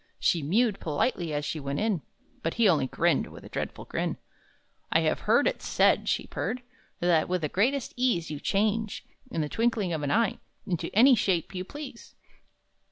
She mewed politely as she went in, But he only grinned, with a dreadful grin. "I have heard it said," she purred, "That, with the greatest ease, You change, in the twinkling of an eye, Into any shape you please!"